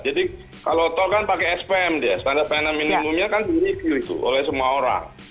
jadi kalau tol kan pakai spm dia standar pendana minimumnya kan di review itu oleh semua orang